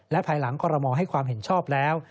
และภายหลังกรมให้ความเห็นชอบแล้ว